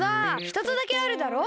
ひとつだけあるだろ？